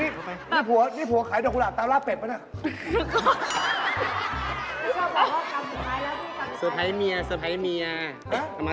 นี่ผัวนี่ผัวขายดอกกุหลาบตาลาเบ็บหรือเปล่าน่ะ